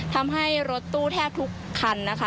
ทำให้รถตู้แทบทุกคันนะคะ